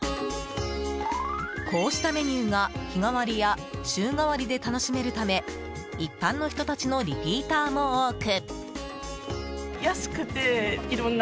こうしたメニューが日替わりや週替わりで楽しめるため一般の人たちのリピーターも多く。